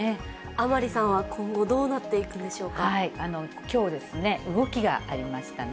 甘利さんは今後、きょう、動きがありましたね。